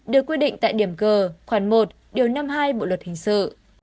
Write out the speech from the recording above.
được quy định tại điểm g khoảng một điều năm mươi hai bộ luật hình sự